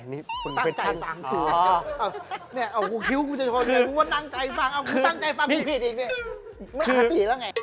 ตั้งใจฟังตัวเนี่ยเอาคิ้วกูจะชนไงตั้งใจฟังตั้งใจฟังกูผิดอีกเนี่ยเมื่อฮัตตีแล้วไง